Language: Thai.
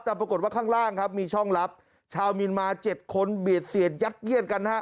แต่ปรากฏว่าข้างล่างครับมีช่องลับชาวเมียนมา๗คนเบียดเสียดยัดเยียดกันฮะ